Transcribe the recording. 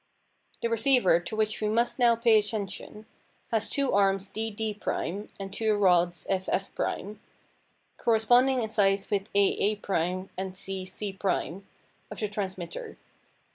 The receiver, to which we must now pay attention, has two arms DD', and two rods FF', corresponding in size with AA' and CC' of the transmitter.